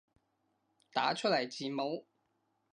打出來字母